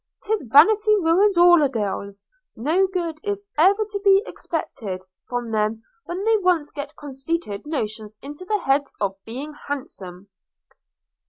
'Tis vanity ruins all girls – no good is ever to be expected from them when once they get conceited notions into their heads of being handsome.'